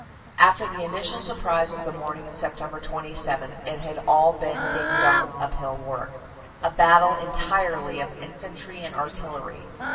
After the initial surprise of the morning of Sept. 27, it had all been ding dong uphill work, a battle entirely of infantry and artillery.